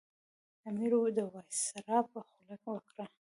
امیر د وایسرا په خوله وکړه.